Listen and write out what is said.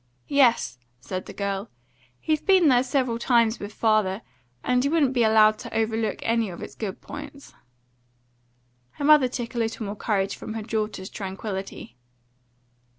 "Yes," said the girl, "he's been there several times with father; and he wouldn't be allowed to overlook any of its good points." Her mother took a little more courage from her daughter's tranquillity.